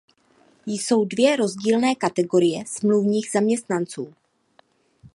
Jsou dvě rozdílné kategorie smluvních zaměstnanců.